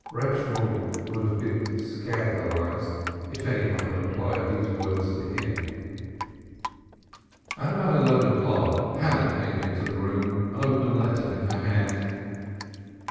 Reb Shemuel would have been scandalized if any one had applied these words to him. At about eleven o'clock Hannah came into the room, an open letter in her hand.